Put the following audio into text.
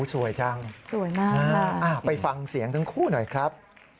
สวยจังสวยมากไปฟังเสียงทั้งคู่หน่อยครับ